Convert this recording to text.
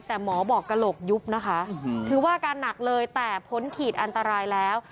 แต่หมอบอกกระโหลกยุบนะคะถือว่าอาการหนักเลยแต่พ้นขีดอันตรายแล้ว